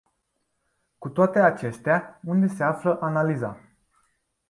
Cu toate acestea, unde se află analiza?